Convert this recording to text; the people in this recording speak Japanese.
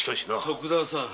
徳田さん